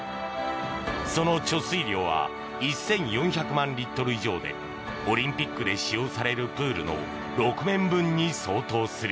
その貯水量は１４００万リットル以上でオリンピックで使用されるプールの６面分に相当する。